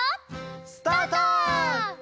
スタート！